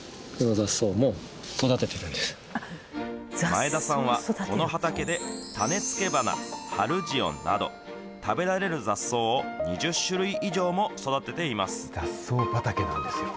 前田さんは、この畑でタネツケバナ、ハルジオンなど、食べられる雑草を２０種類以上も育てています。